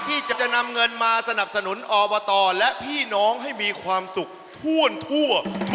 ที่จะนำเงินมาสนับสนุนอบตและพี่น้องให้มีความสุขท่วนทั่ว